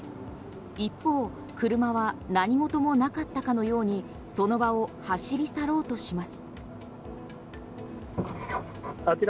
一方、車は何事もなかったかのようにその場を走り去ろうとします。